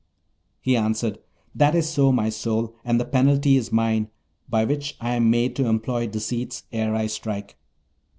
He answered, 'That is so, my soul; and the penalty is mine, by which I am made to employ deceits ere I strike.'